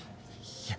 いや